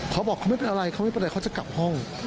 เขาบอกเขาไม่เป็นอะไรเขาจะกลับห้อง